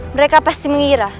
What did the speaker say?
mereka pasti mengira